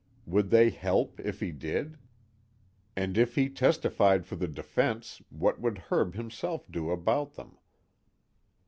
Would they help, if he did? And if he testified for the defense, what would Herb himself do about them?